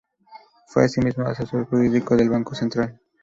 Fue asimismo asesor jurídico del Banco Central.